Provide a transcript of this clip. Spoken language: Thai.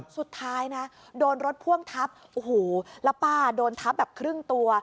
สุดท้ายนะโดนรถพ่วงทับโอ้โหแล้วป้าโดนทับแบบครึ่งตัว